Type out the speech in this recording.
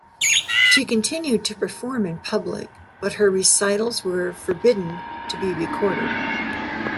She continued to perform in public, but her recitals were forbidden to be recorded.